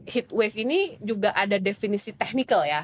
heatwave ini juga ada definisi teknikal ya